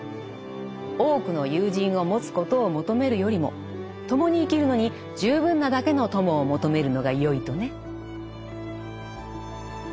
多くの友人を持つことを求めるよりも共に生きるのに十分なだけの友を求めるのがよいとね。